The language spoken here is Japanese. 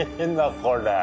これ。